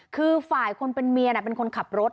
คือฝ่ายคนเป็นเมียเป็นคนขับรถ